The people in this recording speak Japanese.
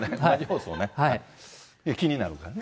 気になるからね。